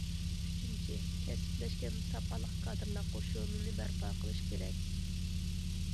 ئۈچىنچى، كەسىپلەشكەن ساپالىق كادىرلار قوشۇنىنى بەرپا قىلىش كېرەك.